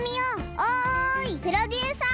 おいプロデューサー！